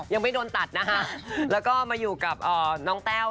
ยังไม่โดนตัดนะคะแล้วก็มาอยู่กับน้องแต้ว